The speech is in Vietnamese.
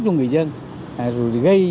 cho người dân rồi gây